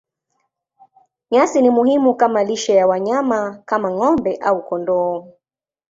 Nyasi ni muhimu kama lishe ya wanyama kama ng'ombe au kondoo.